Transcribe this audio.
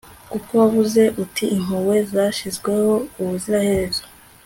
kuko wavuze uti impuhwe zashyizweho ubuziraherezo,